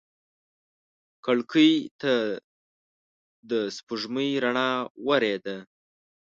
کړکۍ ته د سپوږمۍ رڼا ورېده.